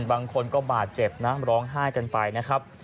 บางคนก็บาดเจ็บนะร้องไห้กันไปนะครับ